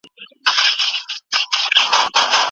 چي هویت وساتو.